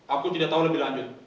aku tidak tahu lebih lanjut